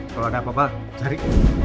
kalau ada apa apa cari